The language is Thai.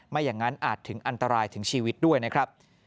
ไม่อย่างนั้นอาจถึงอันตรายถึงชีวิตด้วยนะครับ